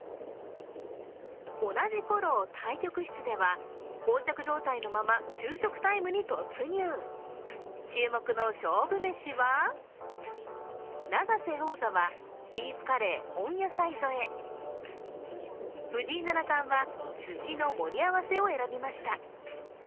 同じころ、対局室ではこう着状態のまま昼食タイムに突入、注目の勝負めしは、永瀬王座は、ビーフカレー温野菜添え、藤井七冠は、すしの盛り合わせを選びました。